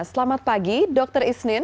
selamat pagi dr isnin